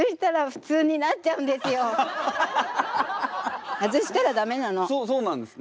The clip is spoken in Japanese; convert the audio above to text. そうなんですね。